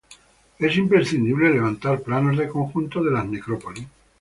Es imprescindible levantar planos de conjunto de las necrópolis.